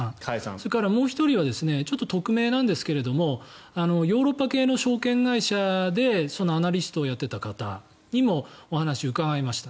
それからもう１人は匿名なんですけどもヨーロッパ系の証券会社でアナリストをやっていた方にもお話を伺いました。